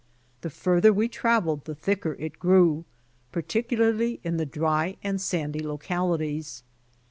The farther we traveled the thicker it grew, particularly in the dry and sandy localities.